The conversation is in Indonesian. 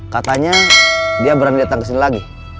katanya dia berani datang ke sini lagi